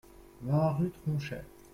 vingt rue Tronchet